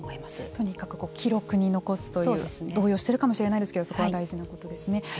とにかく記録に残すという動揺しているかもしれないですけどそこは大事なことですね。